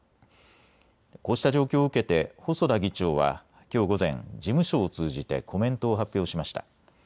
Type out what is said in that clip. こうした状況を受けて細田議長はきょう午前、事務所を通じてコメントを発表しました。